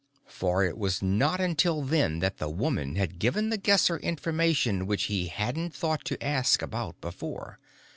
For it was not until then that the woman had given The Guesser information which he hadn't thought to ask about before.